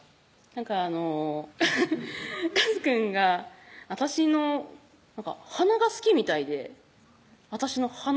なんかあのフフフッかずくんが私の鼻が好きみたいで私の鼻？